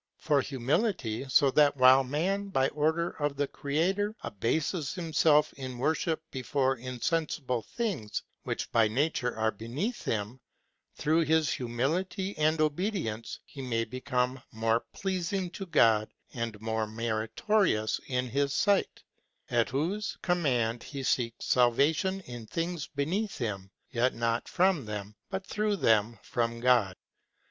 For humility, so that while man, by order of the Creator, abases himself in worship before insensible things, which by nature are beneath him, through this humility and obedience, he may become more pleasing to God, and more meri torious in his sight, at whose command he seeks salvation in things beneath him, yet not from them, but through them from God.